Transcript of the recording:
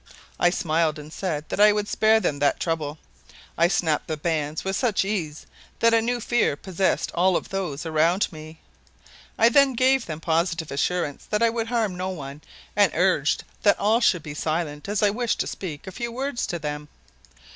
I smiled and said that I would spare them that trouble. I snapped the bands with such ease that a new fear possessed all of those around me. I then gave them positive assurance that I would harm no one and urged that all should be silent as I wished to speak a few words to them.